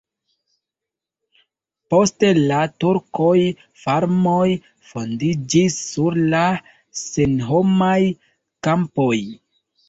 Post la turkoj farmoj fondiĝis sur la senhomaj kampoj.